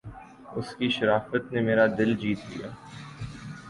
اس کی شرافت نے میرا دل جیت لیا